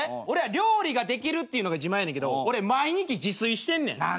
俺は料理ができるっていうのが自慢やねんけど俺毎日自炊してんねん。